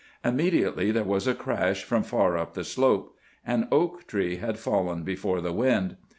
Immediately there was a crash from far up the slope. An oak tree had fallen before the wind.